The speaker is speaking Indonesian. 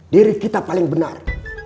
diri kita paling benar